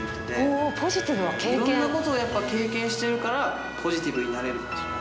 いろんなことをやっぱ経験してるから、ポジティブになれるって。